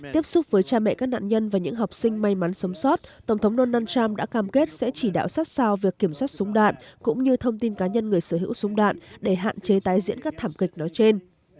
tiếp xúc với cha mẹ các nạn nhân và những học sinh may mắn sống sót tổng thống donald trump đã cam kết sẽ chỉ đạo sát sao việc kiểm soát súng đạn cũng như thông tin cá nhân người sở hữu súng đạn để hạn chế tái diễn các thảm kịch nói trên